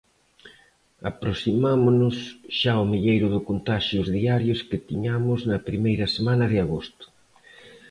Aproximámonos xa ao milleiro de contaxios diarios que tiñamos na primeira semana de agosto.